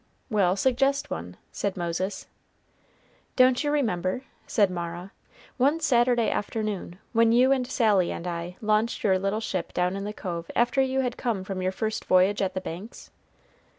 "Well, suggest one," said Moses. "Don't you remember," said Mara, "one Saturday afternoon, when you and Sally and I launched your little ship down in the cove after you had come from your first voyage at the Banks?"